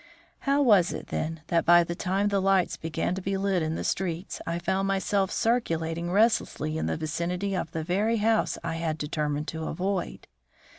How was it, then, that by the time the lights began to be lit in the streets I found myself circulating restlessly in the vicinity of the very house I had determined to avoid?